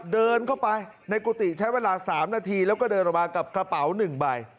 เดินเข้าไปในกุฏิใช้เวลา๓นาทีแล้วก็เดินออกมากับกระเป๋า๑ใบ